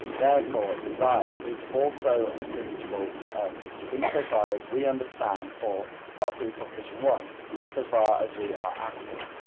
therefore, desire is also attributable to us, in so far as we understand, or (III. i.) in so far as we are active.